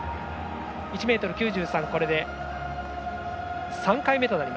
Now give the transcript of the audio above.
１ｍ９３、これで３回目。